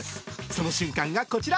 その瞬間がこちら。